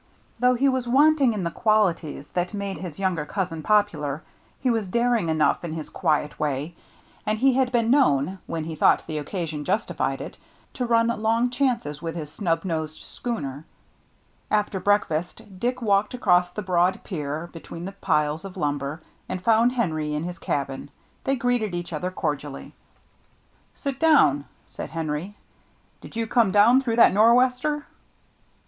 Though he was wanting in the qualities that made his younger cousin popular, he was daring enough in his quiet way, and he had been known, when he thought the occasion justified it, to run long chances with his snub nosed schooner. After breakfast Dick walked across the broad pier between the piles of lumber, and found Henry in his cabin. They greeted each other cordially. 43 44 THE MERRT ANNE " Sit down," said Henry. " Did you come down through that nor'wester